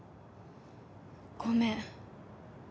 ごめん。